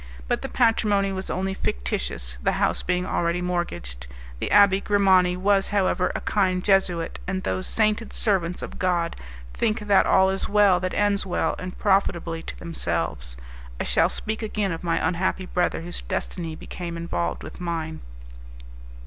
But the patrimony was only fictitious, the house being already mortgaged; the Abbé Grimani was, however, a kind Jesuit, and those sainted servants of God think that all is well that ends well and profitably to themselves. I shall speak again of my unhappy brother whose destiny became involved with mine.